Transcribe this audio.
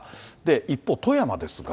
一方富山ですが。